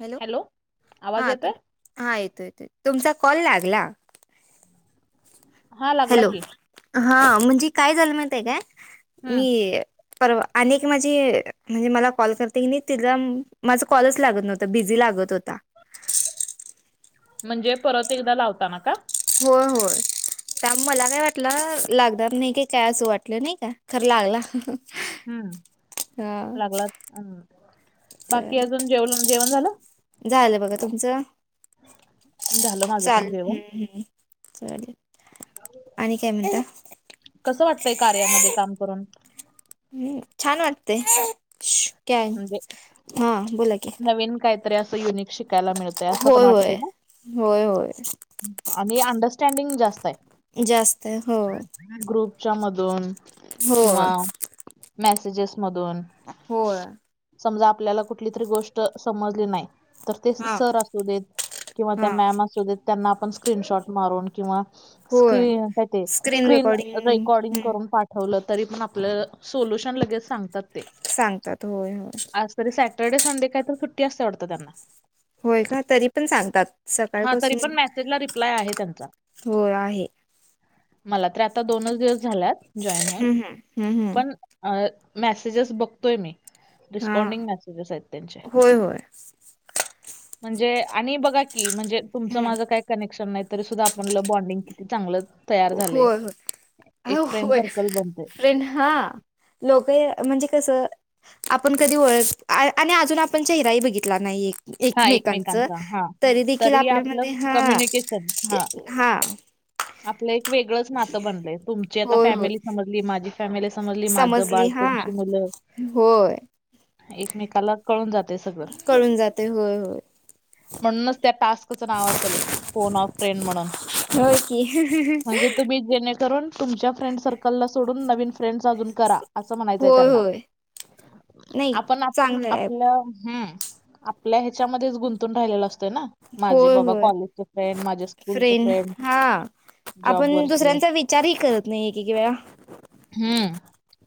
Hello आवाज हा येतोय तुम हा येतोय येतो तुमचा कॉल लागला हा लागला हॅलो. की हा म्हणजे काय झालं माहित हाय काय हम्म मी. परवा आणि एक माझी म्हणजे मला कॉल करते की नाय तिजा माझ कॉलच लागत नव्ह त बिझी लागत होता. म्हणजे परत एकदा लावताना का. होय होय. कारण मला काय वाटलं लागणार नाइ की काय असं वाटलं नाइ का खरं लागला. हा हम्म लागला हम्म बाकी चालेल अजून जेवल जेवण झालं? झालं बघा तुमचं झालं माझं चाल पण हम्म जेवण हम्म. चालेल आणि काय म्हणता. कसं वाटतंय कार्यामध्ये काम करून? हम्म छान वाटतेय, क्याय म्हणजे हा बोला की नवीन कायतरी अस युनिक शिकायला मिळतय अस पण होय होय वाटतय ना. होय होय आणि अंडरस्टँडिंग जास्त हाय. जास्त हाय हो. काय ग्रुपच्या मधून हो किंवा मेसेजेस मधून होय. समजा आपल्याला कुठली तरी गोष्ट समजली नाय.. तर ते हां सर असू देत किंवा त्या हां मॅम असू देत त्यांना आपण स्क्रीनशॉट मारून किंवा होय स्क्रीन काय ते स्क्रीन रेकॉर्डिंग करून पाठ ठेवलं तरी पण आपल्याला सोल्युशन लगेच सांगतात ते. सांगतात होय. आज तरी सॅटर्डे संडे काय तर सुट्टी असते वाटतं त्यांना होय का तरी पण सांगतात. हा तरी सकाळपासून पण मेसेजला रिप्लाय आहे त्यांचा होय आहे मला तर आता दोनच दिवस झाल्यात जॉईन होऊन हं हं हं हं पण अ मेसेजेस बघतोय मी हां रिस्पॉन्डिंग मेसेजेस आहेत त्यांचे होय होय म्हणजे आणि बघा की म्हणजे तुमचं हं माझं काय कनेक्शन नाय तरी सुद्धा आपणलं बॉन्डिंग किती चांगलं तयार झालंय. होय होय अ एक फ्रेंड होय सर्कल बनतंय. फ्रेंड हा. लोक ये म्हणजे कसं. आपण कधी ओळख आ आणि अजून आपण चेहराही बघितला नाही ये हां, एकमेकांचं एकमेकांचा हां. तरी देखील आपलं आपल्यामध्ये हा कम्युनिकेशन हां, हा. आपलं एक वेगळंच नातं बनलंय तुमची आता होय होय फॅमिली समजली माझी फॅमिली समजली माझं समजली बाळ हां तुमची मुलं होय एकमेकाला कळून जातय सगळं. कळून जातय होय हो. म्हणूनच त्या टास्कचं नाव असल फोन ऑफ फ्रेंड म्हणून [unintelligible] म्हणजे [inaudible] तुम्ही जेणेकरून तुमच्या फ्रेंड सर्कलला सोडून नवीन फ्रेंडस अजून करा असं म्हणायचंय होय त्यांना. होय नाही आपण आप चांगलं आहे आपल्या हम्म आपल्या ह्याच्यामध्येच गुंतून राहिलेला असं त ना माझे होय बाबा होय कॉलेजचे फ्रेंड माझ्या स्कूलचे फ्रेंड जॉब आपण वरचे दुसऱ्यांचा विचारही करत नाही कि कि वेळा. हम्म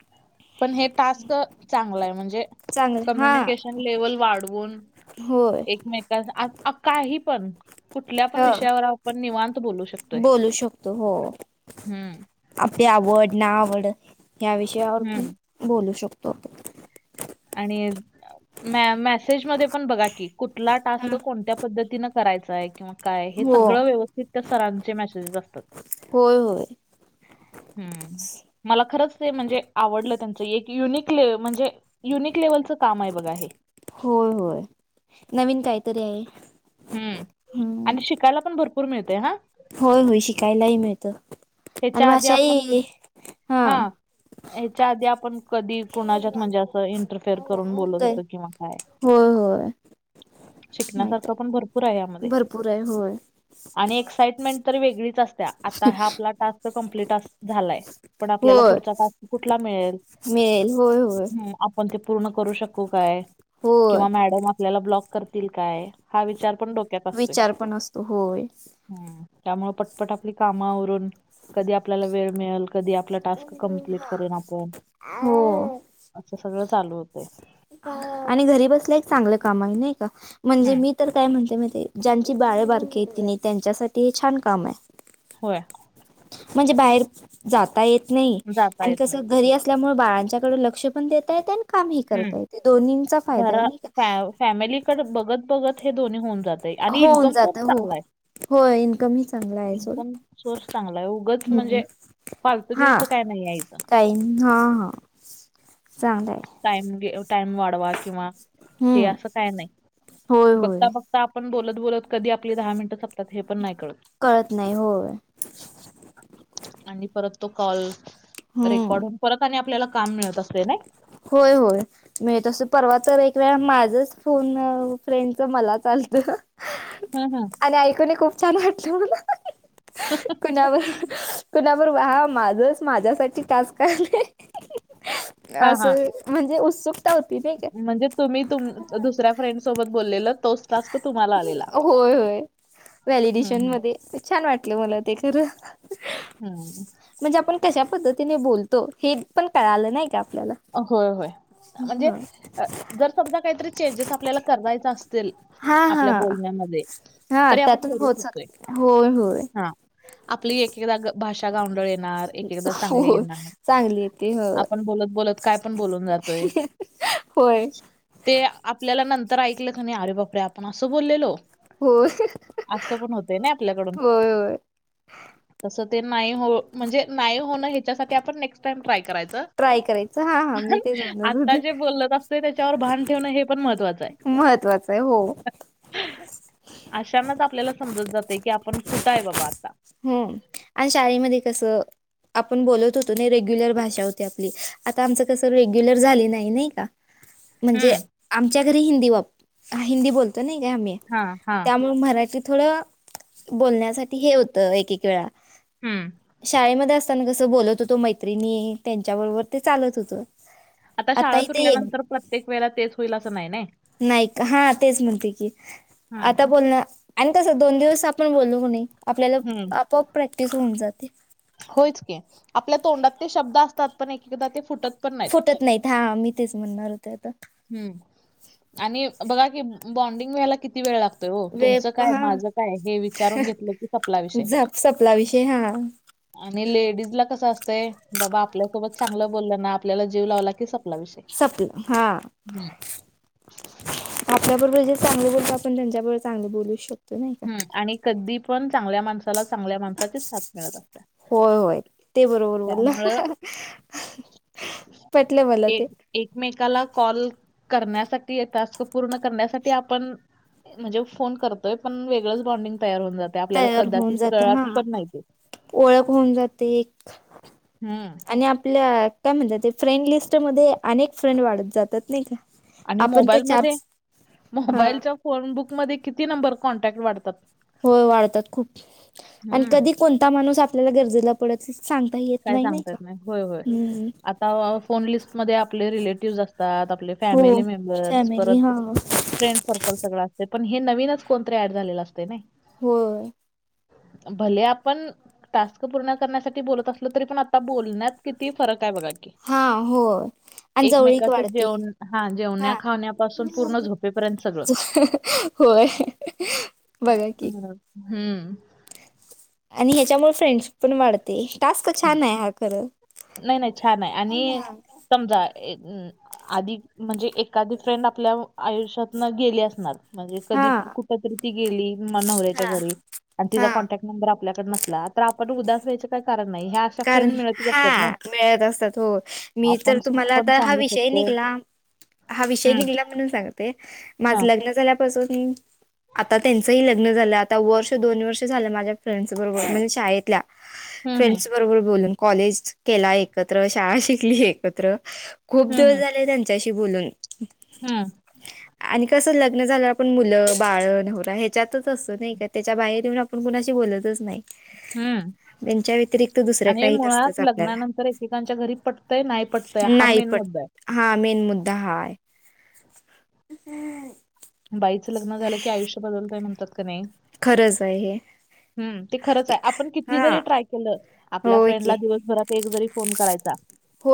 पण हे टास्क चांगलाय म्हणजे. चांगलं हा कम्युनिकेशन लेवल वाढवून. होय एकमेकांस आ आव काही पण. कुठल्या पण ह विषयावर आपण निवांत बोलू शकतोय, बोलू शकतो हो हम्म. आपली आवड ना आवड या विषयावर पण हम्म. बोलू शकतो. आणि. मॅ मेसेज मध्ये पण बघा की कुठला टास्क हा कोणत्या पद्धतीन करायचाय किंवा. काय हेच हो सगळं व्यवस्थित सरांचे मेसेजेस असतात. होय होय. हम्म, मला खरंच ते म्हणजे आवडलं त्यांचं एक युनिकले म्हणजे. युनिक लेव्हलचं काम आहे बघा हे होय होय नवीन काहीतरी आहे हम्म, हम्म आणि शिकायला पण भरपूर मिळते हा होय होय शिकायलाही मिळतं आणि ह्याच्या आधी आपण भाषाही.... हा हां, ह्याच्या आधी आपण कधी कुणाच्यात म्हणजे असं इंटरफेअर करून बोलत होत किंवा काय होय होय माहित शिकण्यासारखं आहे पण भर पुर यामध्ये भरपूर आहे होय आणि एक्साइटमेंट तरी वेगळीच असते आता ह्या आपला तो कंम्पीट टास्क झालायं पण आपल्याला होय पुढचा टास्क कुठला मिळेल मिळेल होय होय मग आपण ते पूर्ण करू शकू काय होय किंवा मॅडम आपल्याला ब्लॉक करतील काय हा विचार पण डोक विचार पण असतो होय हम्म त्यामुळं पटपट आपली काम आवरून कधी आपल्याला वेळ मिळल कधी आपला टास्क कप्लीट करेन आपण, हो असं सगळं चालू होतय आणि घरी बसलं एक चांगलं काम आहे नही का म्हणजे हम्म मी तर काय म्हणते माहितीय ज्यांची बाळं बारकीेयत की नही. त्यांच्यासाठी हे छान कामं होय म्हणजे बाहेर जाता येत नाही जाता आणि येत कस नाही घरी अस त्या मुळ बाळांच्याकड लक्ष पण देते येतेन कामही हम्म करता येते दोन्हींचा ' फायदाय नही का फॅमिलीकडं बघत बघत हे दोन्ही होऊन जातंय आणि होऊन इन्कम जात सोर्स हो चांगला आहे हो इन्कम ही चांगला आहे इन्कम सोर्स सोडा चांगला आहे उगच हम् म्हणजे हा फालतुगिरीचं काय नाही आहे इथं काहींन हा हा चांगलय टाइम गे टाइम वाढवा किंवा हे हम्म असं काय नाही होय होय बघता बघ त आपण बोलत बोलत कधी आपली दहा मिनिटं संपतात हे पण नाही कळत नाही होय आणि परत तो कॉल हम्म रेकॉर्ड होवुन परत आणि आपल्याला काम मिळत असते नाही होय होय मिळत अस परवा तर एक वेळा माझच फोन अ फ्रेंडच मलाच चालतं ह ह [inaudible] आणि ऐकून ही खूप छान वाटलं मला, ह ह ह ह ह कुणावर कुणावर व हा माझचं माझ्यासाठी टास्क आले. हां, हां. असं म्हणजे उत्सुक म्हणजे तुम्ही तु दुसऱ्या फ्रेंड सोबत बोललेल तोच टास्क तुम्हाला आलेला. होय होय. हं, व्हॅलिडिशन हं. मध्ये छान वाटलं मला ते खरं‌. हम्म. म्हणजे आपण कशा पद्धतीने बोलतो, हे पण कळालं नाही का आपल्याला? होय होय म्हणजे जर समजा काहीतरी चेंजेस आपल्याला करायचा अस सेल हा आपल्या हा बोलण्यामध्ये हा तरी आपण त्यातून करू होत शकतोय. जातंय होय होय. हां. आपली एकेकदा भाषा गावंडळ येणार एकेएकदा चांगले होय येणार चांगली येते हो आपण बोलत बोलत काय पण बोलून जातोय. होय ते आपल्याला नंतर ऐकलं क नि नाही अरे बापरे आपण असं बोललेलो. होय असं पण होतंय ना आपल्याकडून. होय होय तसं ते नाही हो म्हणजे नाही होणं ह्याच्यासाठी आपण नेक्स्ट टाइम ट्राय करायचं. ट्राय करायचं हा हा मी पण तेच म्हणत आता होते जे बोलत असत त्याच्यावर भान ठेवणं हे पण महत्त्वाचं आहे. महत्त्वाचं आहे हो‌. अशांनाच आपल्याला समजत जाते की, आपण कुठं आहे बाबा आता. हं आणि शाळेमध्ये कसं आपण बोलत होतो ना रेग्युलर भाषा होती आपली आता, आमचं कसं रेग्युलर झाली नाही नाइ का. [inaudible] म्हणजे आमच्या घरी हिंदी वाप हा हिंदी बोलतो नाय का आम्ही. हा हा. मग मराठी थोडं बोलण्यासाठी हे होतं एक एक वेळा हं. शाळेमध्ये अस आपण कसं बोलत होतो मैत्रिणी त्यांच्याबरोबर ते चालत होत‌. आता शाळा सुटल्यानंतर प्रत्येक वेळेला तेच होईल असं नाही नाही. नाही का हा तेच म्हणते की हं, आता बोलण. आणि तसं दोन दिवस आपण बोलू क नाही आपल्याला, हं. आपोआप प्रॅक्टिस होऊन जाते. होयच की आपल्या तोंडात ते शब्द असतात पण एक एकदा ते फुटत पण नाहीत. फुटत नाहीत हा मी तेच म्हणणार होते आता. हम् आणि बघा की बॉन्डिंग व्हायला किती वेळ लागतो? हो वे तुमचं काय, हा माझं काय हे विचारून घेतलं की सपला विषय. झप सपला विषय हा आणि लेडीज ला कसं असतंय बाबा आपल्यासोबत चांगलं बोललं ना, आपल्याला जीव लावला की सपला विषय. सपलं हां. हम्. आपल्या बरोबर जे चांगलं बोलतो आपण त्यांच्याबरोबर चांगले बोलू शकतो नाही. का हम् आणि कधी पण चांगल्या माणसाला चांगल्या माणसाचीच साथ मिळत असतिया. होय होय ते बरोबर बोलला पटलं मला एक ते. एकमेकाला कॉल करण्यासाठी टास्क पूर्ण करण्यासाठी आपण म्हणजे फोन करतोय पण वेगळंच बॉन्डिंग तयार होऊन जाते, आपल्याला तयार कदाचित होऊन जात कळत हा पण नाही ते. ओळख होऊन जाते एक. हम्म. आणि आपल्या काय म्हणतात ते फ्रेंडलिस्टमधे अनेक फ्रेंड वाढत जातात नाही का? आणि आपण ते चार मोबाईलमध्ये हा मोबाईलच्या फोनबुकमध्ये किती नंबर कॉन्टॅक्ट वाढतात? होय वाढतात खूप आणि हं. कधी कोणता माणूस आपल्याला गरजेला पडेल सांगता येत काय नाही सांगता का. येत नाही होय होय. हम्म आता फोन लिस्टमध्ये आपले रिलेटिव्हस असतात आपले फॅमिली मेंबर्स परत हं. फ्रेंड सर्कल सगळं असतय पण हे नवीनच कोणतरी ऍड झालेलं असतय नई. होय. भले आपण टास्क पूर्ण करण्यासाठी बोलत असलो तरी पण आता बोलण्यात किती फरक हाय बघा की, हा हो. एकमेकाच जेवण हा जेवण्या खाण्यापासून पूर्ण झोपेपर्यंत सगळं. होय बघा की. हम्म. हम्म. आणि ह्याच्यामुळे फ्रेंड्स पण वाढते टास्क हम्म. छान आहे हा खर. नाही नाही छान आहे आणि समजा ए अं आधी म्हणजे एखादी फ्रेंड आपल्या आयुष्यातन गेली असणार म्हणजे हा कधी कुठ तरी ती गेली नवऱ्याच्या हा घरी आणि तिचा हा. कॉन्टॅक्ट नंबर आपल्याकडे नसला तर आपण उदास व्हायच काय कारण नाही ह्या अशा कारण फ्रेंड मिळतच हा असतात नाही मिळत असतात हो मी तर आपण सुख तुम्हाला पण आता हा सांगू वि षय शकतोय निगला हा विषय हम्म निगला म्हणून सांगते, हा माझं लग्न झाल्यापासून आता त्यांचही लग्न लग्न झालं आता वर्ष दोन वर्ष झाले माझ्या फ्रेंडस बरोबर म्हणजे शाळेतल्या हम् हम. फ्रेंड्स बरोबर बोलूंन, कॉलेज केलाय एकत्र, शाळा शिकली एकत्र, खूप हम्म दिवस झाले त्यां चारशी बोलून, हम्म आणी कस लग्न झाल्या वर पण मुलं, बाळं, नवरा, ह्याच्यातच असतो नाही का, त्याच्या बाहेर येऊन आपण कुणाशी बोलतच नाही. हम्म हम्म. त्यांच्या व्यतरिक्त आणि मुळात लग्नानंतर एकेकांच्या घरी पटतंय, नाही पटतय, हा मेन मुद्दा हाय. हां, मेन मुद्दा हा आय. बाईचं लग्न झालं की आयुष्य बदलतय म्हणतात कणी खरंच आहे हे. हम्म. ते खरंच आहे, आपण किती हा जरी ट्राय केलं, आपल्या होय की फ्रेंडला दिवसभरात एक जरी फोन करायचा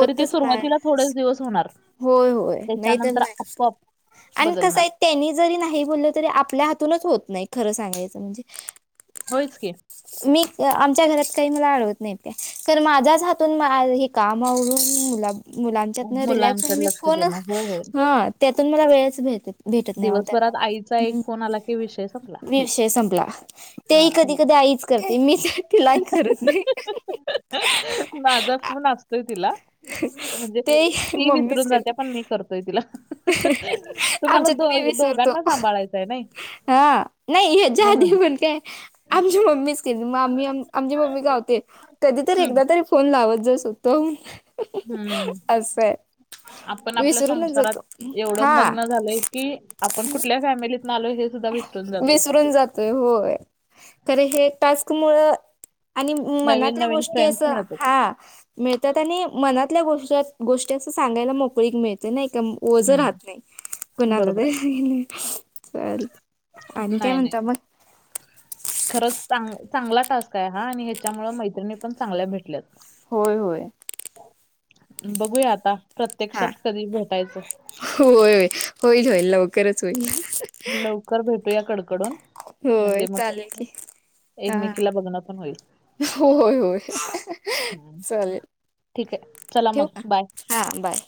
तरी ते नाही सुरुवातीला थोडेच दिवस होणार, होय होय नाही तर त्याच्यानंतर नाही आपोआप आणि कसं बदलणार. आहे, त्यांनी जरी नाही बोललं तरी आपल्या हातूनच होत नाही, खरं सांगायचं म्हणजे. होयच की. मी आमच्या घरात काही मला आडवत नाहीत काय,, खरं माझ्याच हातून काम आवरून मुला मुलांच्यातन रिलॅक्स होऊन, मुलांकडे मी लक्ष फोन देणं. होय होय. ह त्यातून मला वेळच भेटत नाही हो दिवसभरात आईचा एक त्यांना फोन आला की विषय संपला. विषय संपला, ते ही हा. कधी कधी आईच करते, मी तिला ही करत नाही. माझा फोन असतोय तिला, म्हणजे ते ती मम्मीच विसरून जाते करते पण मी करतोय तिला. तुम्हाला आमच्यात दो मी विसरतो, दोघांना सांभाळायचं आहे नाही हां. नाही, ह्याच्या आधी म्हणून पण काय आमची मम्मीच तेज मामी, आमची मम्मी कावते, कधी तरी हम्म एकदा तरी फोन लावत जा स्व़तहून. हं, आपण आपल्या विसरूनच संसारात, जातो एवढं हा मग्न झालोय की, आपण कुठल्या फॅमिलीतनं आलोय हेच, विसरून जातोय होय, खरे हे टास्क मुळं आणि नवीन मनातल्या नवीन गोष्टी फ्रेंड्स असं, मिळतात हा, मिळतात आणि मनातल्या गोष्टी गोष्टी असं सांगायला मोकळीक मिळते नाही का, ओझं हम्म राहत नाही कोणाला बरोबर तरी. चालतय. नाही, नाही. खरंच चांग चांगला टास्क आहे हा, आणि ह्याच्यामुळे मैत्रिणी पण चांगल्या भेटल्यात. होय होय. बघूया आता, हा प्रत्यक्षात कधी भेटायचं? होय. होईल, होईल लवकरच होईल. लवकर भेटू या कडकडून. होय, म्हणजे मग चालेल की. हा, एकमेकीला बघणं पण होईल होय -होय हम्म. चालेल. ठीक आहे, चला मग, बाय. हां बाय.